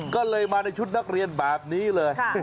ก็เลยมาในชุดนักเรียนแบบนี้เลย